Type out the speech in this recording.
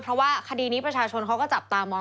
เพราะว่าคดีนี้ประชาชนเขาก็จับตามอง